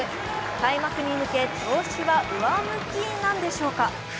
開幕に向け調子は上向きなんでしょうか。